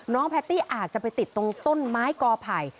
แพตตี้อาจจะไปติดตรงต้นไม้กอไผ่